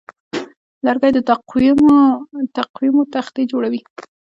لرګی د تقویمو تختې جوړوي.